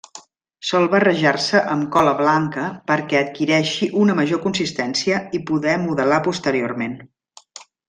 Sol barrejar-se amb cola blanca perquè adquireixi una major consistència i poder modelar posteriorment.